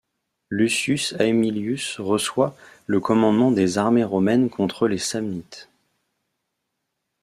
Lucius Aemilius reçoit le commandement des armées romaines contre les Samnites.